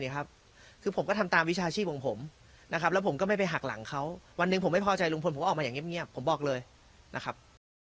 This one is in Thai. คือผมก็ทำตามวิชาชีพของผมนะครับแล้วผมก็ไม่ไปหักหลังเขาวันหนึ่งผมไม่พอใจลุงพลผมก็ออกมาอย่างเงียบผมบอกเลยนะครับ